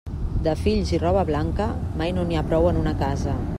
De fills i roba blanca, mai no n'hi ha prou en una casa.